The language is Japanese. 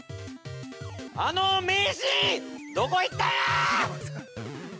あの名シーンどこ行ったんや！！